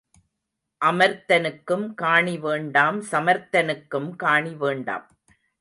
அமர்த்தனுக்கும் காணி வேண்டாம் சமர்த்தனுக்கும் காணி வேண்டாம்.